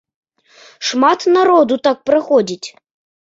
Шмат народу так праходзіць.